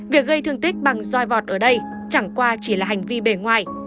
việc gây thương tích bằng roi vọt ở đây chẳng qua chỉ là hành vi bề ngoài